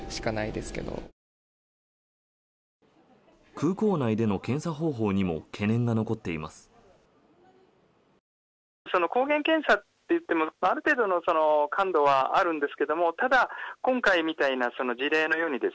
空港内での検査方法にも懸念が残っています。